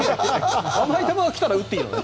甘い球が来たら打っていいの？